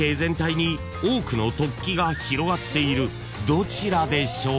［どちらでしょう？］